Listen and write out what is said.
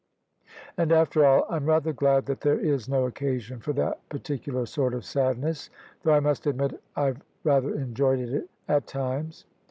And after all I'm rather glad that there is no occasion for that particu lar sort of sadness, though I must admit I've rather enjoyed it at times.